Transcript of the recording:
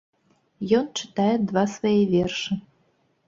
Ён чытае два свае вершы.